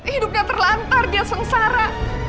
hidupnya terlantar dia sengsara